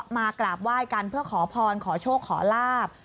มากราบไหว้กันเพื่อขอพรขอโชคขอลาบ